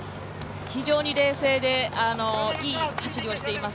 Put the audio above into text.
非常に冷静でいい走りをしています。